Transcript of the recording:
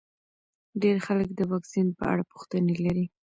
ډېر خلک د واکسین په اړه پوښتنې لري.